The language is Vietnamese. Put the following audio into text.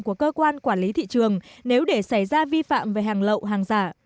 của cơ quan quản lý thị trường nếu để xảy ra vi phạm về hàng lậu hàng giả